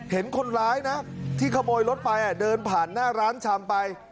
เห็นคนร้ายนะที่ขโมยรถไปเดินผ่านหน้าร้านชำไป